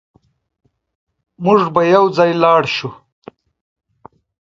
موږ به يوځای لاړ شو